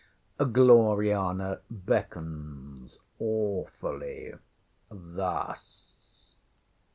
Gloriana beckons awfully thus!